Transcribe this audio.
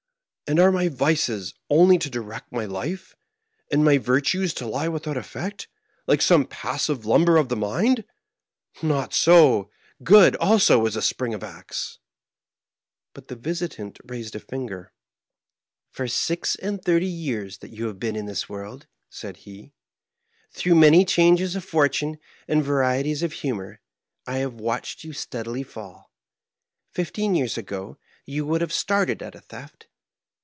And are my vices only to direct my life, and my virtues to lie without effect, like some passive lumber of the mind ? Not so ; good, also, is a spring of acts." Digitized by VjOOQIC MAEKHEIM. 75 Bat the visitant raised his finger. "For six and thirty years that yon have been in this world," said he, "throngh many changes of fortnne and varieties of hnmor, I have watched you steadily fall. Fifteen years ago you would have started at a theft.